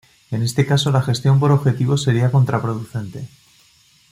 En este caso, la gestión por objetivos sería contraproducente.